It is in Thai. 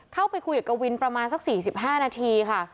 เข้าไปคุยกับกวินประมาณสัก๔๕นาทีค่ะ